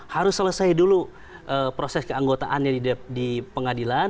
harus selesai dulu proses keanggotaannya di pengadilan